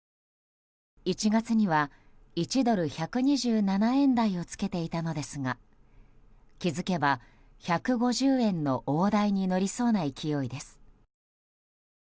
１月には１ドル＝１２７円台をつけていたのですが気づけば１５０円の大台に乗りそうな勢いです。